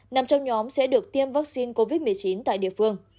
nằm trong nhóm sẽ được tiêm vắc xin covid một mươi chín tại địa phương